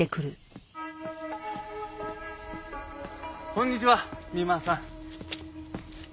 こんにちは三馬さん。